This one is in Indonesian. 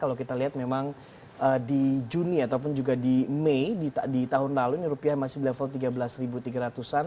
kalau kita lihat memang di juni ataupun juga di mei di tahun lalu ini rupiah masih di level tiga belas tiga ratus an